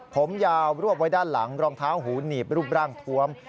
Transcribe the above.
ผมยาวรวบไว้ด้านหลังรองเท้าหูหนีบรูปร่างทวม